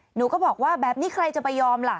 หนูก็บอกว่าแบบนี้ใครจะไปยอมล่ะ